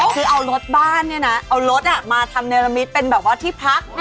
เนี่ยเนี่ยนะเอารถมาทำนาลมิตรเป็นแบบว่าที่พัก